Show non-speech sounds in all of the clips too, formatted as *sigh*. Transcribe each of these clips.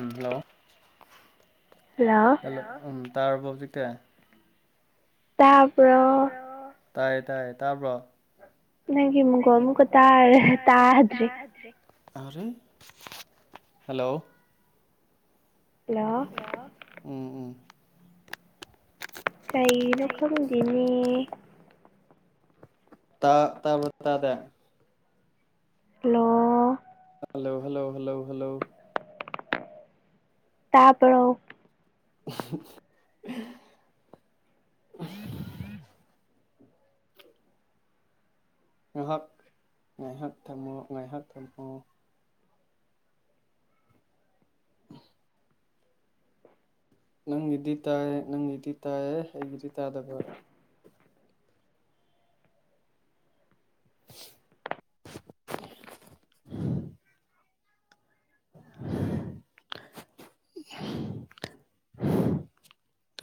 ꯎꯝ hello hello hello ꯎꯝ ꯇꯥꯔꯕꯣ ꯍꯧꯖꯤꯛꯇꯤ ꯇꯥꯕ꯭ꯔꯣ ꯇꯥꯏꯌꯦ ꯇꯥꯏꯌꯦ ꯇꯥꯕ꯭ꯔꯣ ꯅꯪꯒꯤ ꯃꯈꯣꯟ ꯑꯃꯨꯛꯀ ꯇꯥꯔꯦ ꯇꯥꯗ꯭ꯔꯦ ꯇꯥꯗ꯭ꯔꯤ ꯍꯜꯂꯣ ꯍꯜꯂꯣ ꯎꯝ ꯎꯝ ꯀꯩꯒꯤꯅꯣ ꯈꯪꯗꯦꯅꯦ ꯇꯥꯕꯔꯣ ꯇꯥꯕꯔꯣ hello hello hello hello hello ꯇꯥꯕꯔꯣ *inaudible* ꯎꯝ ꯎꯝ *inaudible* ꯉꯥꯏꯍꯥꯛ ꯉꯥꯏꯍꯥꯛ ꯊꯝꯃꯣ ꯉꯥꯏꯍꯥꯛ ꯊꯝꯃꯣ *inaudible* ꯅꯪꯒꯤꯗꯤ ꯇꯥꯏꯌꯦ ꯅꯪꯒꯤꯗꯤ ꯇꯥꯏꯌꯦ ꯑꯩꯒꯤꯗꯤ ꯇꯥꯗꯕ *inaudible*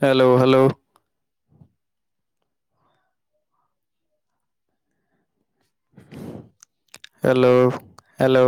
*inaudible* ꯍꯜꯂꯣ ꯍꯜꯂꯣ ꯍꯜꯂꯣ ꯍꯦꯜꯂꯣ